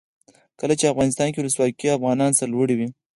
کله چې افغانستان کې ولسواکي وي افغانان سرلوړي وي.